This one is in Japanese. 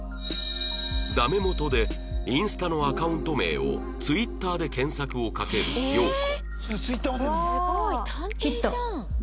ダメ元でインスタのアカウント名を Ｔｗｉｔｔｅｒ で検索をかける洋子